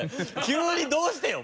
急にどうしてん？